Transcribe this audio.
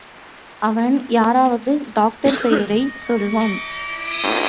அவன் யாராவது டாக்டர் பெயரைச் சொல்வான்.